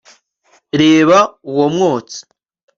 reba uwo mwotsi